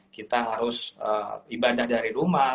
kita harus ibadah dari rumah